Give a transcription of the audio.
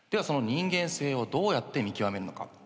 その人間性をどうやって見極めるのか。